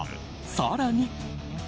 更に。